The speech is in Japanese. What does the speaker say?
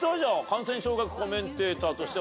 感染症学コメンテーターとしておなじみ。